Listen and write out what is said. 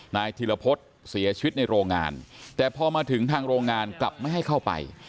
นายธิรพฤษเสียชีวิตในโรงงานแต่พอมาถึงทางโรงงานกลับไม่ให้เข้าไป